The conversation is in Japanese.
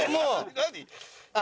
「何？」